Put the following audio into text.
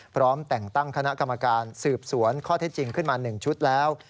พร้อมแต่งตั้งคณะกรรมการสืบสวนข้อเท็จจริงขึ้นมา๑ชุดแล้ว